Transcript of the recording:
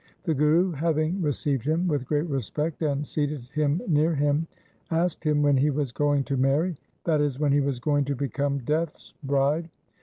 The Guru having received him with great respect and seated him near him, asked him when he was going to marry, that is, when he was going to become Death's bride.